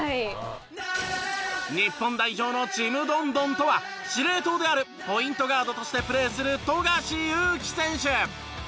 日本代表のちむどんどんとは司令塔であるポイントガードとしてプレーする富樫勇樹選手。